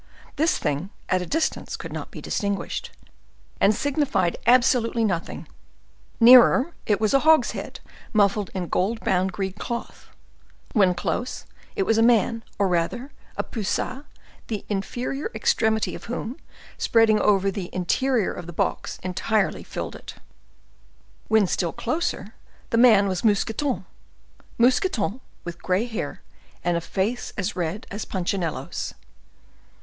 This thing, at a distance, could not be distinguished, and signified absolutely nothing; nearer, it was a hogshead muffled in gold bound green cloth; when close, it was a man, or rather a poussa, the inferior extremity of whom, spreading over the interior of the box, entirely filled it; when still closer, the man was Mousqueton—Mousqueton, with gray hair and a face as red as Punchinello's.